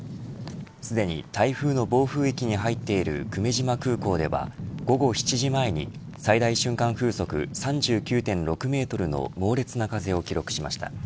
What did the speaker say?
すでに台風の暴風域に入っている久米島空港では、午後７時前に最大瞬間風速３９．６メートルの猛烈な風を記録しました。